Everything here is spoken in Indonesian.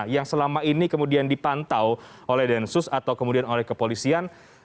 yang selama ini kemudian dipantau oleh densus atau kemudian oleh kepolisian